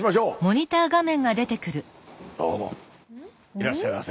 いらっしゃいませ。